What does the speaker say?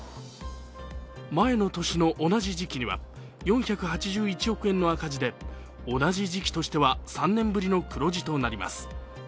前の年の同じ時期には４８１億円の赤字で、同じ時期としては３年ぶりの黒字となります。